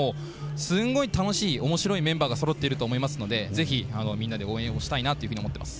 すごい楽しいおもしろいメンバーがそろっていると思うのでぜひ、みんなで応援をしたいなと思っています。